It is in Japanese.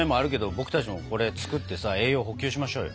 僕たちもこれ作ってさ栄養補給しましょうよ。